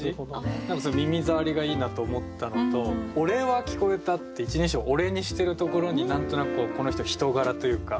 何かすごい耳触りがいいなと思ったのと「俺は聞こえた」って１人称を「俺」にしているところに何となくこうこの人の人柄というか。